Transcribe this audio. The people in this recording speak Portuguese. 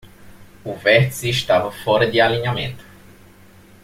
O vértice estava fora de alinhamento.